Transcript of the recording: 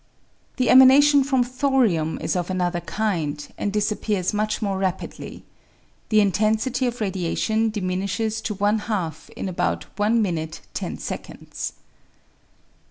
The emanation from thorium is of another kind, and dis appears much more rapidly. The intensity of radiation diminishes to one half in about one minute ten seconds.